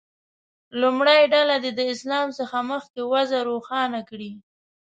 لومړۍ ډله دې د اسلام څخه مخکې وضع روښانه کړي.